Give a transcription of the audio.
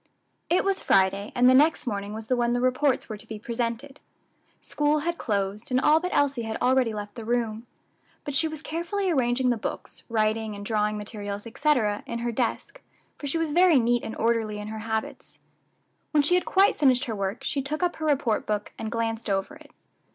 _ It was Friday, and the next morning was the when the reports were to be presented. School had closed, and all but Elsie had already left the room; but she was carefully arranging the books, writing and drawing materials, etc., in her desk, for she was very neat and orderly in her habits. When she had quite finished her work she took up her report book, and glanced over it.